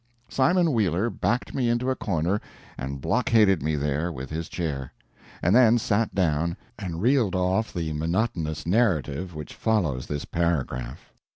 Simon Wheeler backed me into a corner and blockaded me there with his chair, and then sat down and reeled off the monotonous narrative which follows this paragraph.